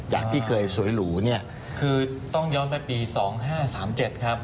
จากที่เคยสวยหรูเนี้ยคือต้องย้อนไปปีสองห้าสามเจ็ดครับ